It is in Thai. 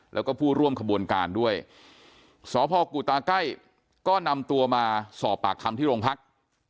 แล้วก็ผู้ร่วมขบวนการด้วยสพกุตาใกล้ก็นำตัวมาสอบปากคำที่โรงพัก